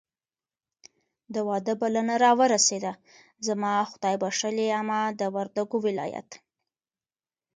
د واده بلنه راورسېده. زما خدایبښلې عمه د وردګو ولایت